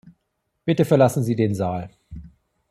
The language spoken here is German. Bitte verlassen Sie den Saal.